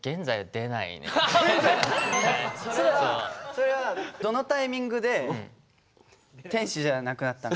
それはどのタイミングで天使じゃなくなったの？